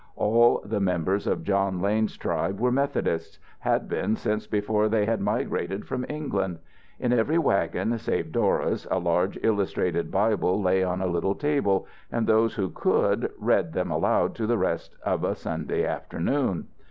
All the members of John Lane's tribe were Methodists had been since before they had migrated from England. In every wagon, save Dora's, a large illustrated Bible lay on a little table, and those who could, read them aloud to the rest of a Sunday afternoon.